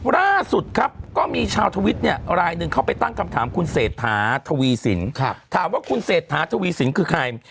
ล่าสุดก็มีชาวทวิตเนี่ยรายนึงเข้าไปตั้งคำถามคุณเศษฐาถวีศิลป์ถามว่าคุณเศษฐาถวีศิลป์คือใคร